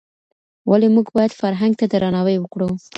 ولي موږ بايد فرهنګ ته درناوی وکړو؟